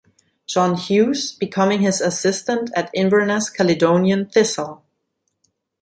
John Hughes, becoming his assistant at Inverness Caledonian Thistle.